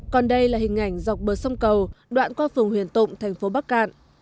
còn đây là hình ảnh dọc bờ sông cầu đoạn qua phường huyền tụng thành phố bắc cạn